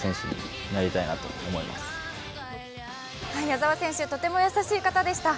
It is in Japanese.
矢澤選手、とても優しい方でした。